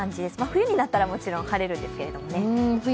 冬になったらもちろん晴れるんですけどね。